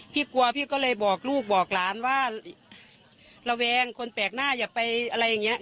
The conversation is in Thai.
กลัวพี่ก็เลยบอกลูกบอกหลานว่าระแวงคนแปลกหน้าอย่าไปอะไรอย่างนี้